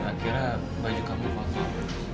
akhirnya baju kamu kotor